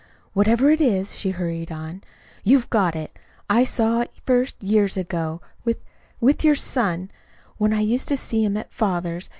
"Whatever it is," she hurried on, "you've got it. I saw it first years ago, with with your son, when I used to see him at father's.